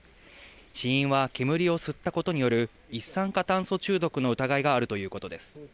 死因は煙を吸ったことによる一酸化炭素中毒の疑いがあるということです。